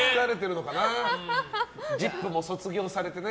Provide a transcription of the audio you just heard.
「ＺＩＰ！」も卒業されてね。